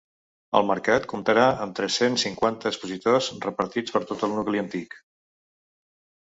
El mercat comptarà amb tres-cents cinquanta expositors repartits per tot el nucli antic.